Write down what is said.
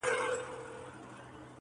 صوفي سمدستي شروع په نصیحت سو!